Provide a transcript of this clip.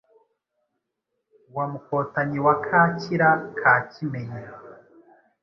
wa Mukotanyi wa Kakira ka Kimenyi ,